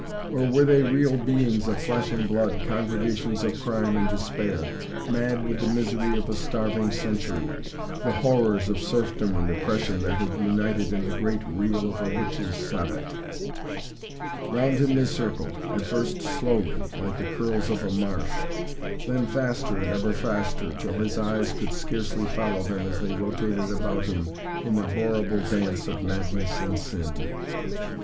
Or were they real beings of flesh and blood, congregations of crime and despair, mad with the misery of a starving century, the horrors of serfdom and oppression that had united in the great reel of a Witches' Sabbat? Round him they circled, at first slowly, like the curls of a marsh, then faster and ever faster, till his eyes could scarcely follow them as they rotated about him in their horrible dance of madness and sin.